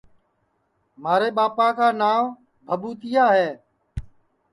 مھارے ٻاپا کا نانٚو بھٻُوتِیا ہے